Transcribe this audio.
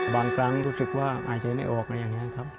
บางครั้งรู้สึกว่าอาจจะไม่ออกนะครับ